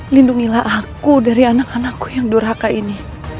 lindungilah aku dari anak anakku yang durhaka ini